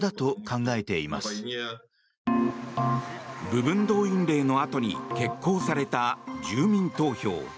部分動員令のあとに決行された住民投票。